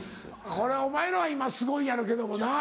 これお前らは今すごいやろうけどもな。